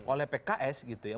oleh pks gitu ya